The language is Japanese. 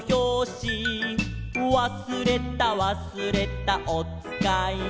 「わすれたわすれたおつかいを」